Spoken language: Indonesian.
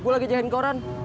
gue lagi jahitin koran